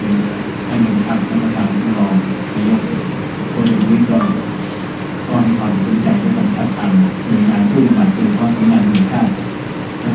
เมื่อวานที่แข่งข่าวท่านผู้การก็คงต้องบอกว่าจริงจริงแล้วเหตุการณ์ยังไม่อยู่ในโรงแรมโทรจริง